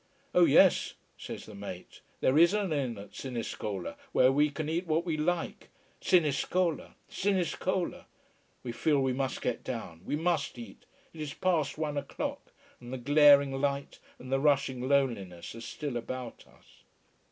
Oh yes, says the mate. There is an inn at Siniscola where we can eat what we like. Siniscola Siniscola! We feel we must get down, we must eat, it is past one o'clock and the glaring light and the rushing loneliness are still about us.